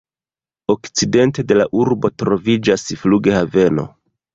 Okcidente de la urbo troviĝas flughaveno.